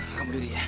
kamu diri ya